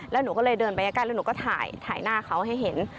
แล้วหนูก็เลยเดินไปใกล้แล้วหนูก็ถ่ายหน้าเขาให้เห็น